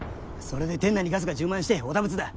それで店内にガスが充満してお陀仏だ。